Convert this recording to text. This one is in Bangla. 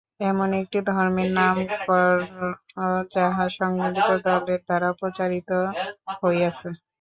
এমন একটি ধর্মের নাম কর, যাহা সংগঠিত দলের দ্বারা প্রচারিত হইয়াছে।